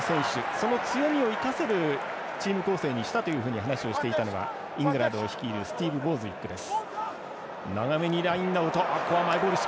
その強みを生かせるチーム構成にしたと話をしていたのはイングランドを率いるスティーブ・ボーズウィックです。